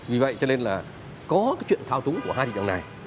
vì vậy cho nên là có cái chuyện thao túng của hai thị trường này